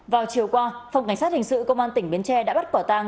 vào chiều qua phòng cảnh sát hình sự công an tỉnh biến tre đã bắt quả tàng